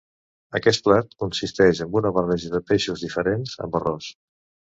Aquest plat consisteix en una barreja de peixos diferents amb arròs.